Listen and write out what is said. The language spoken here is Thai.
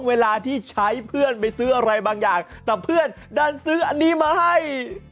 เวลาที่ใช้เพื่อนไปซื้ออะไรบางอย่างแต่เพื่อนดันซื้ออันนี้มาให้